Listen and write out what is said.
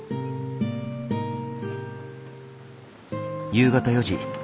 夕方４時。